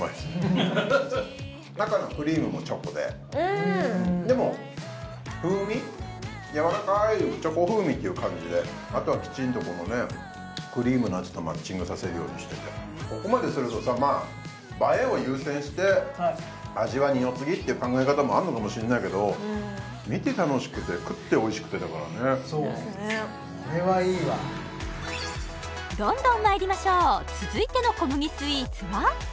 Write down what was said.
中のクリームもチョコででも風味やわらかいチョコ風味という感じであとはきちんとクリームの味とマッチングさせるようにしててここまでするとさまあ映えを優先して味は二の次っていう考え方もあるのかもしれないけどそうこれはいいわどんどんまいりましょう続いての小麦スイーツは？